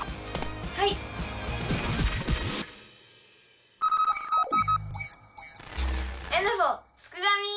はい！えぬふぉすくがミ！